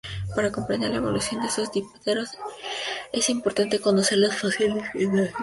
Para comprender la evolución de estos dípteros es importante conocer los fósiles del Cretácico.